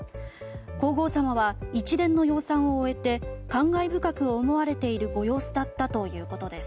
皇后さまは一連の養蚕を終えて感慨深く思われているご様子だったということです。